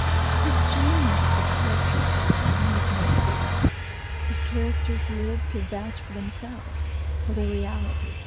His genius for character sketching needs no proof—his characters live to vouch for themselves, for their reality.